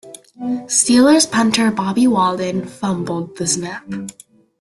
Steelers punter Bobby Walden fumbled the snap.